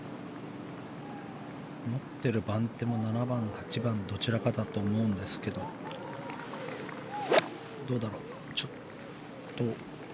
持ってる番手も７番、８番どちらかだと思うんですけどどうだろう。